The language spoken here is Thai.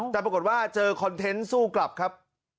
แต่ปรากฏว่าเจอคอนเทนต์สู้กลับครับ